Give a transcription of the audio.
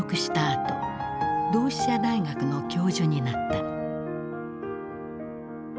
あと同志社大学の教授になった。